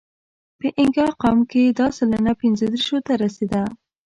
په اینګا قوم کې دا سلنه پینځهدېرشو ته رسېده.